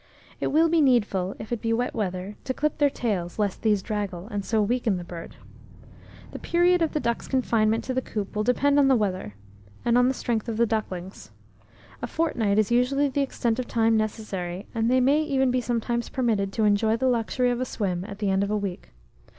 It will be needful, if it be wet weather, to clip their tails, lest these draggle, and so weaken the bird. The period of the duck's confinement to the coop will depend on the weather, and on the strength of the ducklings. A fortnight is usually the extent of time necessary, and they may even be sometimes permitted to enjoy the luxury of a swim at the end of a week.